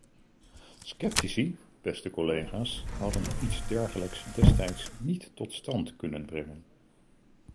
Sceptici, beste collega's, hadden iets dergelijks destijds niet tot stand kunnen brengen.